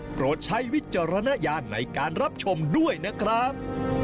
โปรดใช้วิจารณญาณในการรับชมด้วยนะครับ